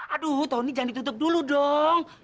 aduh tony jangan ditutup dulu dong